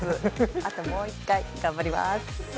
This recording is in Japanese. あともう１回、頑張ります。